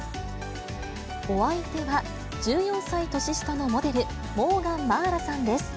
お相手は、１４歳年下のモデル、モーガン茉愛羅さんです。